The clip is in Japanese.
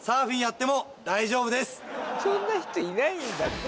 そんな人いないんだって。